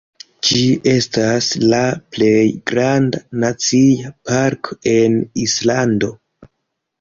Ĝi estas la plej granda nacia parko en Islando.